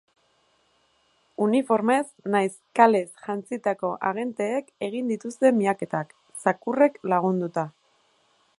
Uniformez nahiz kalez jantzitako agenteek egin dituzte miaketak, zakurrek lagunduta.